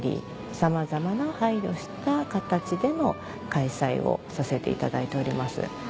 さまざまな配慮した形での開催をさせていただいております。